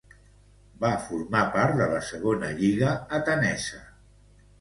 Va formar part de la Segona Lliga atenesa.